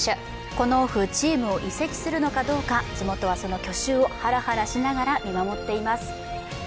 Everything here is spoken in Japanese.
このオフ、チームを移籍するのかどうか地元はその去就をハラハラしながら見守っています。